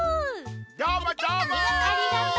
どーもどーも！